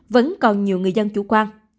vẫn còn nhiều người dân chủ quan